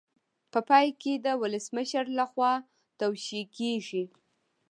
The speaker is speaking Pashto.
په پای کې د ولسمشر لخوا توشیح کیږي.